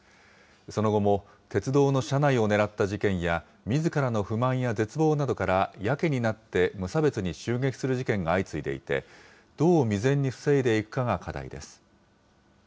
その後も、鉄道の車内をねらった事件や、みずからの不満や絶望などから、やけになって無差別に襲撃する事件が相次いでいて、どう未然に防いでいくかが課題です。